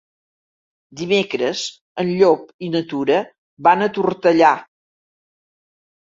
Dimecres en Llop i na Tura van a Tortellà.